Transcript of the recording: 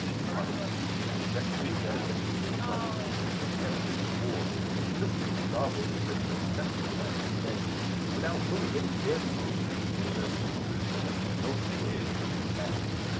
Pardon me for suggesting that if the papers like yours, which heretofore have persistently garbled and misrepresented what I have said, will now fully and fairly place it be fore their readers, there can be no further misunderstand ing.